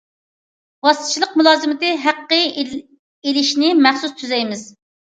ۋاسىتىچىلىك مۇلازىمىتى ھەققى ئېلىشنى مەخسۇس تۈزەيمىز.